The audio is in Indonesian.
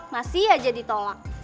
masih aja ditolak